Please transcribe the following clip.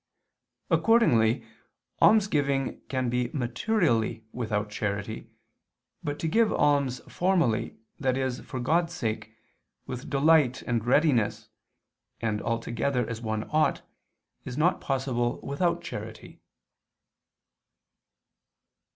Accordingly almsgiving can be materially without charity, but to give alms formally, i.e. for God's sake, with delight and readiness, and altogether as one ought, is not possible without charity.